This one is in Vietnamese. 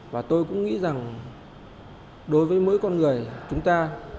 và tôi cũng nghĩ rằng đối với mỗi con người chúng ta